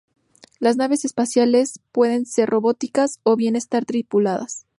Las naves espaciales pueden ser robóticas o bien estar tripuladas.